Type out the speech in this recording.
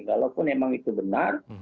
kalaupun memang itu benar